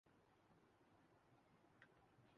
آج ان کی حالت کیا ہے؟